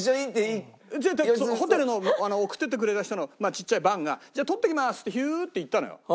ホテルの送っていってくれた人のちっちゃいバンが「じゃあ取ってきます」ってヒューって行ったのよ。